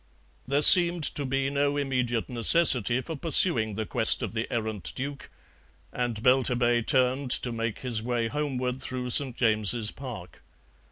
There seemed to be no immediate necessity for pursuing the quest of the errant Duke, and Belturbet turned to make his way homeward through St. James's Park.